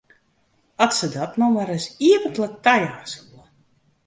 As se dat no mar ris iepentlik tajaan soe!